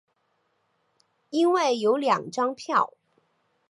因为有两张票